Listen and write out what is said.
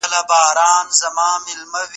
د الزایمر ناروغي څه ده؟